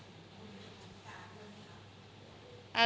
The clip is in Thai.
มีความประชุมกับเพื่อนไหมครับ